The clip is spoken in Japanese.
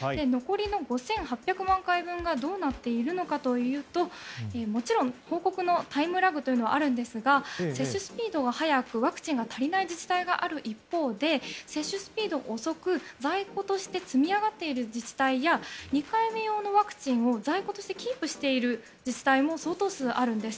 残りの５８００万回分がどうなっているのかというともちろん、報告のタイムラグというのはあるんですが接種スピードが早くワクチンが足りない自治体もある一方で接種スピードが遅く、在庫として積みあがっている自治体や２回目用のワクチンを在庫としてキープしている自治体も相当数あるんです。